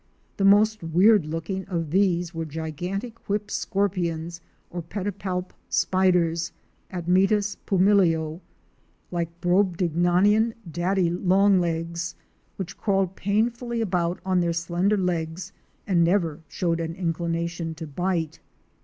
The most weird looking of these were gigantic whip scorpions or pedipalp spiders (Admetus pumilio) like brobdignagian daddy long legs, which crawled painfully about on their slender legs and never showed an inclination to bite.